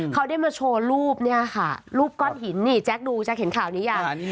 เขาได้มาโชว์รูปเนี่ยค่ะรูปก้อนหินนี่แจ๊คดูแจ๊คเห็นข่าวนี้ยัง